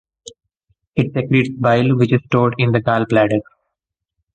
It secretes bile, which is stored in the Gallbladder.